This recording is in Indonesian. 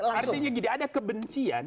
artinya gini ada kebencian